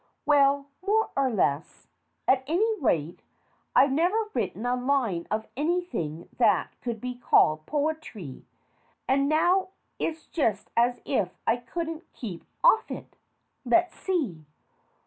Well, more or less. At any rate, I've never written a line of anything that could be called poetry, and now it's just as if I couldn't keep off it. Let's see.